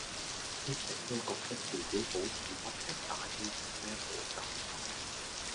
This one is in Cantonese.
一直都覺得自己好似不停打機升 Level 咁